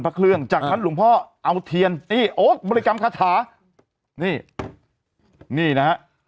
พระเครื่องจากนั้นหลวงพ่อเอาเทียนนี่โอ๊คบริกรรมคาถานี่นี่นะฮะ